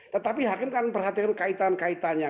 tetapi hakim kan memperhatikan kaitan kaitannya